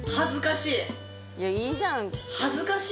いやいいじゃん。